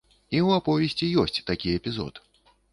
І ў аповесці ёсць такі эпізод.